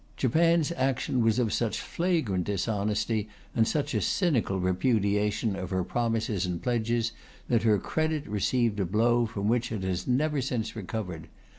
Japan's action was of such flagrant dishonesty and such a cynical repudiation of her promises and pledges that her credit received a blow from which it has never since recovered.